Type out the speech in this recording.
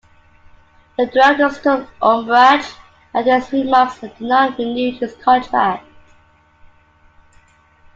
The directors took umbrage at his remarks and did not renew his contract.